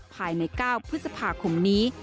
ภายใน๙พฤษภาคมนี้